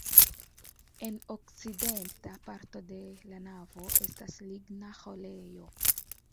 En okcidenta parto de la navo estas ligna ĥorejo.